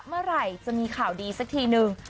เมื่อไหร่จะมีข่าวดีสักทีนึง